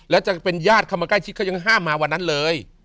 แล้วจะเป็นญาติเข้ามาใกล้ชิดเขายังห้ามมาวันนั้นเลย